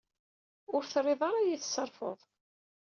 Ur trid ara ad iyi-tesserfud.